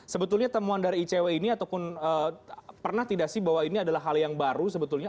sebetulnya temuan dari icw ini ataupun pernah tidak sih bahwa ini adalah hal yang baru sebetulnya